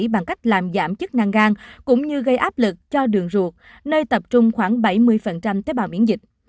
bằng cách làm giảm chức năng gan cũng như gây áp lực cho đường ruột nơi tập trung khoảng bảy mươi tế bào miễn dịch